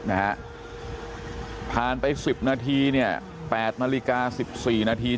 นะฮะผ่านไปสิบนาทีเนี่ย๘นาฬิกาสิบสี่นาที